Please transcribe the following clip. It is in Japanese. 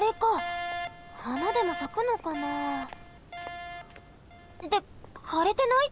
はなでもさくのかな？ってかれてない？